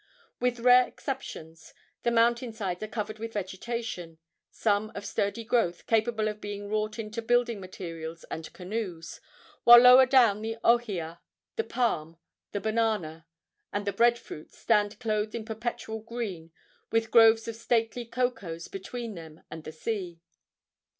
With rare exceptions the mountain sides are covered with vegetation, some of sturdy growth, capable of being wrought into building materials and canoes, while lower down the ohia, the palm, the banana, and the bread fruit stand clothed in perpetual green, with groves of stately cocoas between them and the sea.